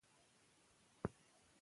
ډېر خلک د واکسین لپاره تیار دي.